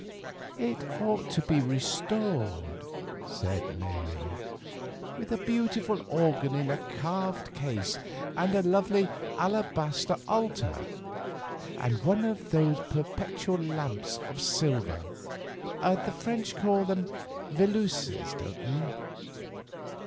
"It ought to be restored," said Mary, "with a beautiful organ in a carved case and a lovely alabaster altar and one of those perpetual lamps of silver—the French call them 'veilleuses', don't they?